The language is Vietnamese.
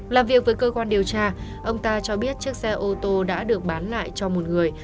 làm việc với cơ quan điều tra ông ta cho biết chiếc xe ô tô đã được bán lại cho một người